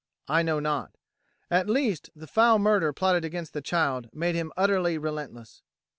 I know not. At least, the foul murder plotted against the child made him utterly relentless.